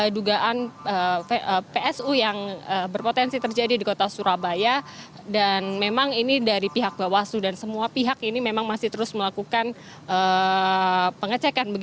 dugaan psu yang berpotensi terjadi di kota surabaya dan memang ini dari pihak bawaslu dan semua pihak ini memang masih terus melakukan pengecekan